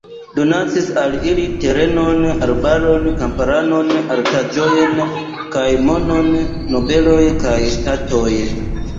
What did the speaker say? Donacis al ili terenon, arbaron, kamparon, artaĵojn kaj monon nobeloj kaj ŝtatoj.